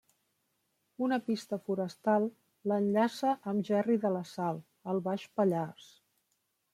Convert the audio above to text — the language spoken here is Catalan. Una pista forestal l'enllaça amb Gerri de la Sal, al Baix Pallars.